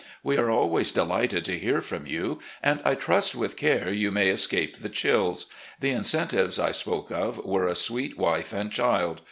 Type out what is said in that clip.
We are always delighted to hear from you, and I trust with care you may escape the chills. The incentives I spoke of were a sweet wife and child.